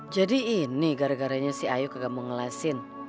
jadi ini gara garanya si ayu gak mau ngelesin